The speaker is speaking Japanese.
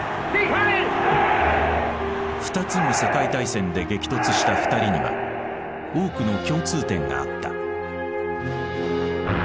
２つの世界大戦で激突した２人には多くの共通点があった。